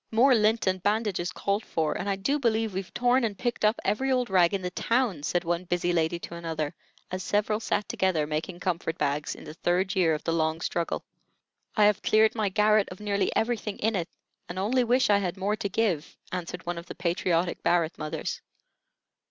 "More lint and bandages called for, and I do believe we've torn and picked up every old rag in the town," said one busy lady to another, as several sat together making comfort bags in the third year of the long struggle. "I have cleared my garret of nearly everything in it, and only wish I had more to give," answered one of the patriotic Barrett mothers.